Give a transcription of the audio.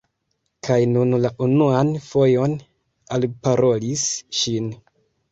Kaj nun la unuan fojon alparolis ŝin.